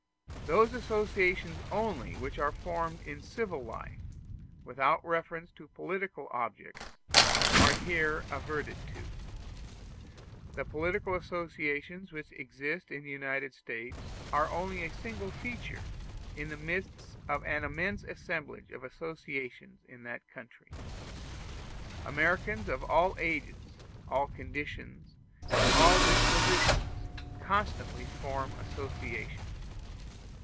Those associations only which are formed in civil life, without reference to political objects, are here adverted to. The political associations which exist in the United States are only a single feature in the midst of the immense assemblage of associations in that country. Americans of all ages, all conditions, and all dispositions, constantly form associations.